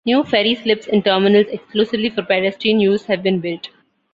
New ferry slips and terminals exclusively for pedestrian use have been built.